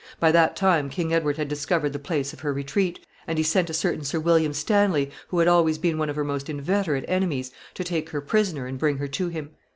By that time King Edward had discovered the place of her retreat, and he sent a certain Sir William Stanley, who had always been one of her most inveterate enemies, to take her prisoner and bring her to him.